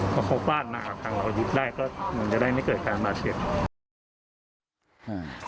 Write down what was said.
พอเข้าบ้านมาทางเราหยุดได้ก็มันจะได้ไม่เกิดแพ้มาเช็ด